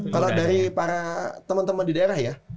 kalau dari para teman teman di daerah ya